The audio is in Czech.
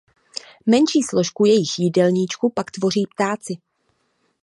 Menší složku jejich jídelníčku pak tvoří ptáci.